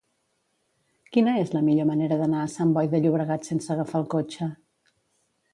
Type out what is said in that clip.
Quina és la millor manera d'anar a Sant Boi de Llobregat sense agafar el cotxe?